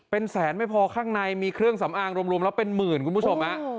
เป็นแสนไม่พอข้างในมีเครื่องสำอางรวมแล้วเป็นหมื่นคุณผู้ชม